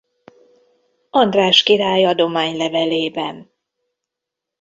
András király adománylevelében.